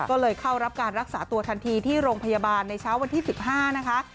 ก็เลยเข้ารับการรักษาตัวทันทีที่โรงพยาบาลในเช้าวันที่๑๕นะคะ